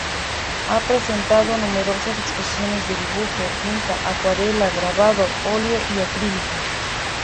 Ha presentado numerosas exposiciones de dibujo, tinta, acuarela, grabado, óleo y acrílico.